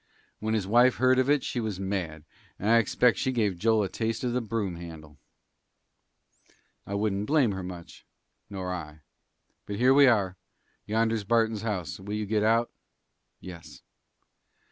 When his wife heard of it she was mad, and I expect she gave Joel a taste of the broom handle." "I wouldn't blame her much." "Nor I. But here we are. Yonder's Barton's house. Will you get out?" "Yes."